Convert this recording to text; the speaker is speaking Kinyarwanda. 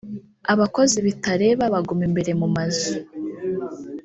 abakozi bitareba baguma imbere mu mazu